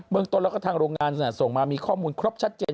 เมืองต้นแล้วก็ทางโรงงานส่งมามีข้อมูลครบชัดเจน